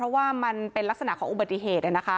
เพราะว่ามันเป็นลักษณะของอุบัติเหตุ